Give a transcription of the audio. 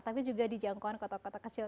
tapi juga di jangkauan kota kota kecil